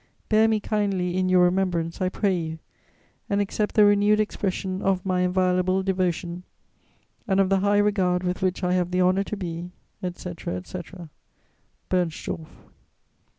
"Bear me kindly in your remembrance, I pray you, and accept the renewed expression of my inviolable devotion and of the high regard with which I have the honour to be, etc., etc. "BERNSTORFF."